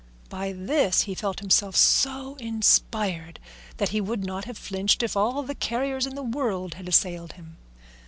By this he felt himself so inspired that he would not have flinched if all the carriers in the world had assailed him.